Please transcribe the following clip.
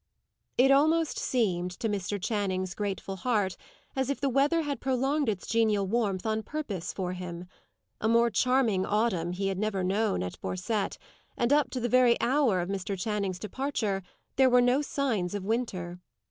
It almost seemed, to Mr. Channing's grateful heart, as if the weather had prolonged its genial warmth on purpose for him. A more charming autumn had never been known at Borcette, and up to the very hour of Mr. Channing's departure, there were no signs of winter.